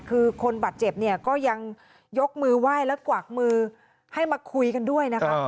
คือคนบาดเจ็บเนี่ยก็ยังยกมือไหว้และกวากมือให้มาคุยกันด้วยนะคะ